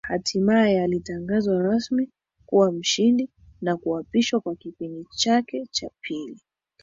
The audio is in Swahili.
Hatimaye alitangazwa rasmi kuwa mshindi na kuapishwa kwa kipindi chake cha pili